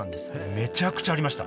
めちゃくちゃありました。